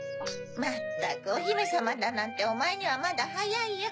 まったくおひめさまだなんておまえにはまだはやいよ。